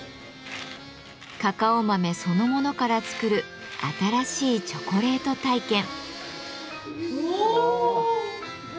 カカオ豆そのものから作る新しいチョコレート体験。